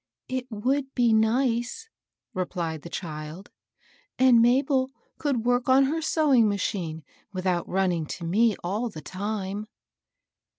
" It would be nice," replied the child ;" and Mabel could work on her sewing machine with out running to me all the time."